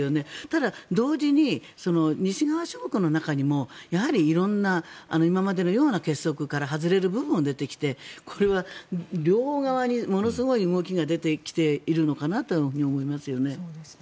ただ、同時に西側諸国の中にも色んな、今までのような結束から外れる部分も出てきてこれは両側にものすごい動きが出てきているのかなと思いますよね。